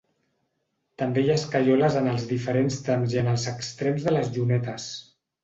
També hi ha escaioles en els diferents trams i en els extrems de les llunetes.